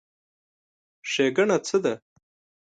ښېګڼه څه ده؟